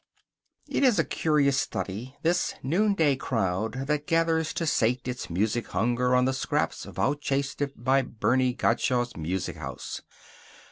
It is a curious study, this noonday crowd that gathers to sate its music hunger on the scraps vouchsafed it by Bernie Gottschalk's Music House.